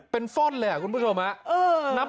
เป็นฟ่อนเลยคุณผู้ชมฮะ